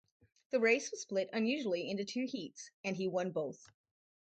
The race was split unusually into two heats, and he won both.